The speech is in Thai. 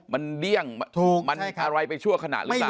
มันเดี้ยงมันอะไรไปชั่วขณะหรือเปล่า